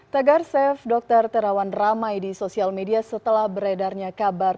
tagar safe dr terawan ramai di sosial media setelah beredarnya kabar